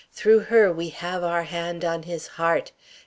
Through her we have our hand on his heart.